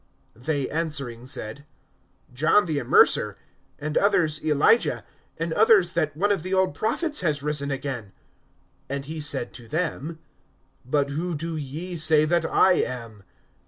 (19)They answering said: John the Immerser; and others, Elijah; and others, that one of the old prophets has risen again. (20)And he said to them: But who do ye say that I am?